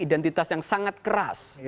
identitas yang sangat keras